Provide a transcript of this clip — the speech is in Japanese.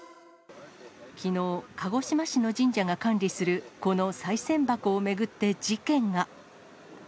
きのう、鹿児島市の神社が管理する、このさい銭箱を巡って事件が。